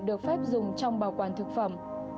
được phép dùng trong bảo quản thực phẩm